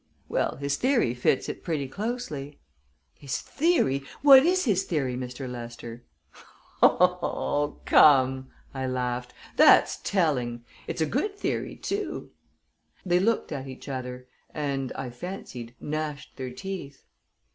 "Well, his theory fits it pretty closely." "His theory! What is his theory, Mr. Lester?" "Oh, come," I laughed. "That's telling. It's a good theory, too." They looked at each other, and, I fancied, gnashed their teeth.